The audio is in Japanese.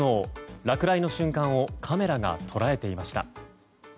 落雷の瞬間をカメラが捉えていました。